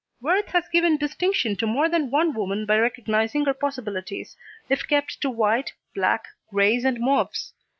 Worth has given distinction to more than one woman by recognising her possibilities, if kept to white, black, greys and mauves.